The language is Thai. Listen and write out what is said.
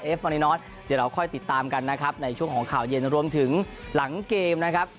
ฟอรินอทเดี๋ยวเราค่อยติดตามกันนะครับในช่วงของข่าวเย็นรวมถึงหลังเกมนะครับ